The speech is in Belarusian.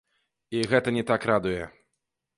І гэта не так радуе.